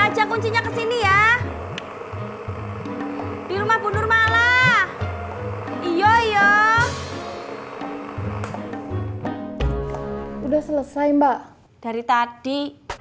aja kuncinya kesini ya di rumah bunur malah iyo iyo udah selesai mbak dari tadi